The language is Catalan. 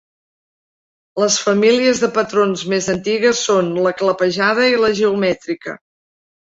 Les famílies de patrons més antigues són la clapejada i la geomètrica.